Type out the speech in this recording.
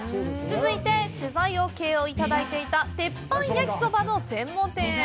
続いて、取材オーケーいただいていた鉄板焼きそばの専門店へ。